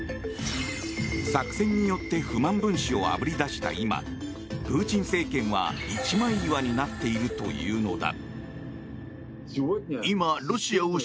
作戦によって不満分子をあぶり出した今プーチン政権は一枚岩になっているというのだ。